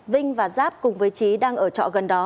vinh và giáp cùng với trí đang ở trọ gần đó